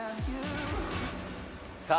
さあ、